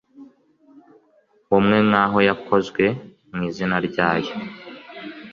bumwe nkaho yakozwe mu izina ryayo